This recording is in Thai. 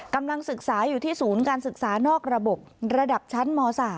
กำลังศึกษาอยู่ที่ศูนย์การศึกษานอกระบบระดับชั้นม๓